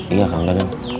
iya kang dadang